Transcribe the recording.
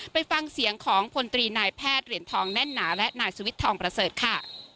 ไปฟังเสียงของพลตรีนายแพทย์เหรียญทองแน่นหนาและนายสุวิทย์ทองประเสริฐค่ะ